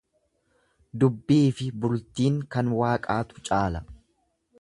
Dubbiifi bultiin kan waaqaatu caala.